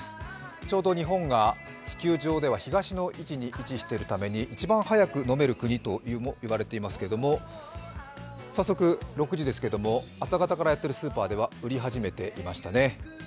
ちょうど日本が地球上では東の位置に位置しているために一番早く飲める国ともいわれていますけれども、早速、６時ですけど朝方からやっているスーパーでは売り始めていましたね。